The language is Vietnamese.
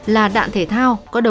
là đạn thể thao